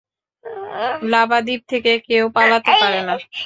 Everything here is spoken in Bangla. লাভা দ্বীপ থেকে কেউ পালাতে পারে না।